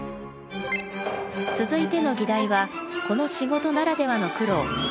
続いての議題はこの仕事ならではの苦労。